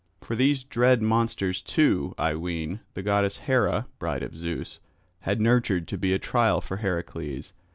For these dread monsters too, I ween, the goddess Hera, bride of Zeus, had nurtured to be a trial for Heracles.